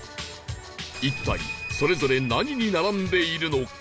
一体それぞれ何に並んでいるのか？